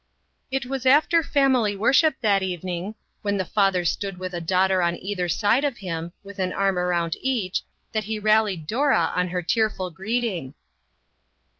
It was after family worship that evening, when the father stood with a daughter on either side of him, with an arm around each, that he rallied Dora on her tearful greeting.